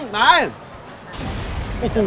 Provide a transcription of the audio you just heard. น่ากินมากเลยนะฮะ